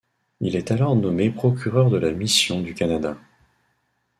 Il est alors nommé procureur de la mission du Canada.